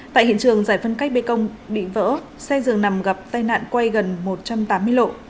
tại hiện trường giải phân cách bê tông bị vỡ xe dường nằm gặp tai nạn quay gần một trăm tám mươi lộ